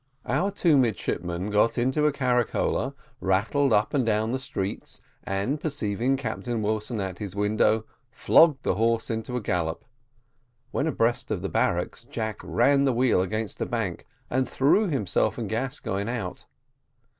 Our two midshipmen got into a caricola, rattled up and down the streets, and perceiving Captain Wilson at his window flogged the horse into a gallop: when abreast of the barracks Jack ran the wheel against a bank, and threw himself and Gascoigne out.